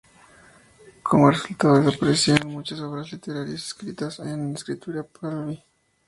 Como resultado, desaparecieron muchas obras literarias escritas en escritura pahlaví.